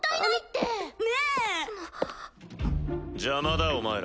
邪魔だお前ら。